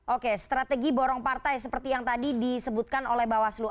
oke strategi borong partai seperti yang tadi disebutkan oleh bawaslu